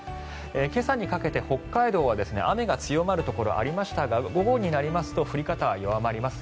今朝にかけて北海道は雨が強まるところがありましたが午後になりますと降り方は弱まります。